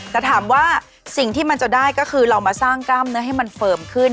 แต่ถามว่าสิ่งที่มันจะได้ก็คือเรามาสร้างกล้ามเนื้อให้มันเฟิร์มขึ้น